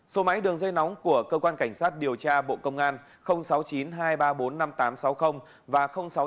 số máy đường dây nóng của cơ quan cảnh sát điều tra bộ công an sáu mươi chín hai trăm ba mươi bốn năm nghìn tám trăm sáu mươi và sáu mươi chín hai trăm ba mươi một một nghìn sáu trăm bảy